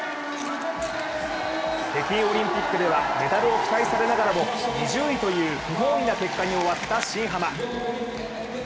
北京オリンピックでは、メダルを期待されながらも、２０位という不本意な結果に終わった新濱。